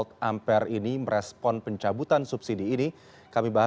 tim liputan cnn indonesia